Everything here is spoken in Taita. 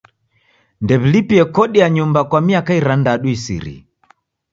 Ndew'ilipie kodi ya nyumba kwa miaka irandadu isirie.